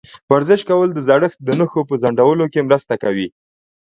ورزش کول د زړښت د نښو په ځنډولو کې مرسته کوي.